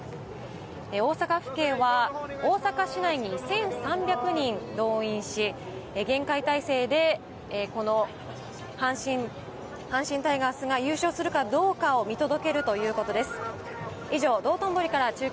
大阪府警は大阪市内に１３００人動員し厳戒態勢で阪神タイガースが優勝するかどうかを見届けるかということです。